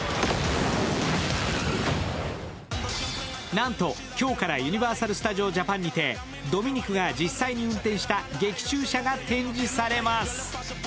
なんと今日からユニバーサル・スタジオ・ジャパンにて、ドミニクが実際に運転した劇中車が展示されます。